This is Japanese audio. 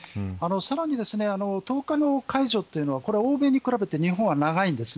さらに１０日の解除というのは欧米に比べて日本は長いんです。